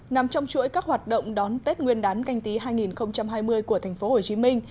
nằm trong chuỗi các hoạt động đón tết nguyên đán canh tí hai nghìn hai mươi của tp hcm